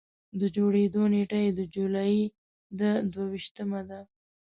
د جوړېدو نېټه یې د جولایي د دوه ویشتمه ده.